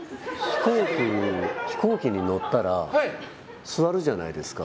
飛行機に乗ったら座るじゃないですか。